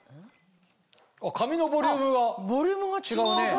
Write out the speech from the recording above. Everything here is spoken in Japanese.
あっ髪のボリュームが違うね。